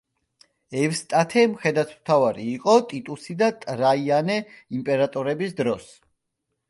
ევსტათე მხედართმთავარი იყო ტიტუსი და ტრაიანე იმპერატორების დროს.